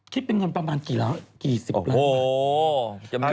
คิดเป็นเงินประมาณกี่สิบล้าน